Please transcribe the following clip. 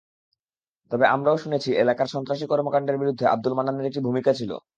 তবে আমরাও শুনেছি, এলাকার সন্ত্রাসী কর্মকাণ্ডের বিরুদ্ধে আবদুল মান্নানের একটি ভূমিকা ছিল।